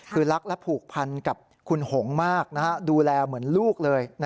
คือรักและผูกพันกับคุณหงมากดูแลเหมือนลูกเลย